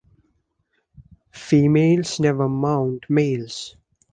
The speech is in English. Females never mount males.